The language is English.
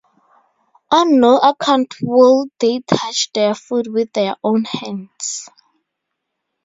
On no account will they touch their food with their own hands.